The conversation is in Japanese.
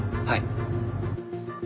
はい。